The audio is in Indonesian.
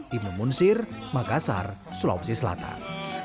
tim nemun sir makassar sulawesi selatan